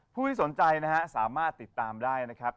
ผู้ที่สนใจนะฮะสามารถติดตามได้นะครับ